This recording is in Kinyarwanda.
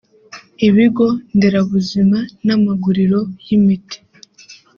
ibigo nderabuzima n’amaguriro y’imiti